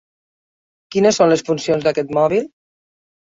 Quines són les funcions d'aquest mòbil?